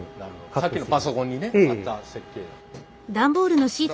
さっきのパソコンにねあった設計図。